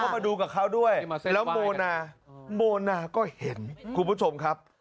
มาดูกับเขาด้วยแล้วโมนาโมนาก็เห็นคุณผู้ชมครับ